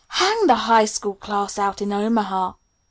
"Hang the High School class out in Omaha!"